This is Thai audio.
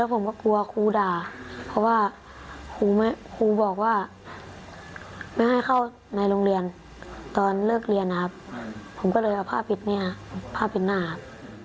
ผมก็เลยเอาผ้าปิดหน้าครับ